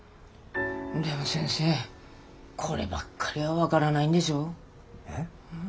でも先生こればっかりは分がらないんでしょ？え？